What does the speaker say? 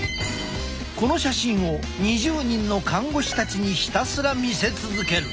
この写真を２０人の看護師たちにひたすら見せ続ける。